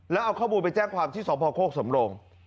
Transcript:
แล้วเอาข้อมูลไปแจ้งความที่สพโคกสำโรง